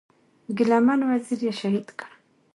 ګيله من وزير یې شهید کړ.